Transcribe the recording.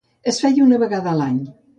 Es feia una vegada a l'any.